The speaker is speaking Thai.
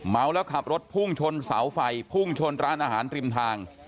เมาแล้วขับรถพุ่งชนเสาไฟพุ่งชนร้านอาหารริมทาง